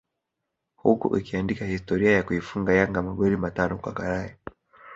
huku ikiandika historia ya kuifunga Yanga magoli matano kwa karai